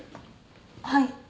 はい。